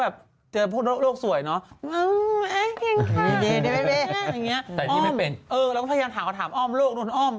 และจะตอบว่านี่ไม่ใช่เรื่องของหนู